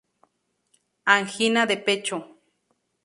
Angina de pecho.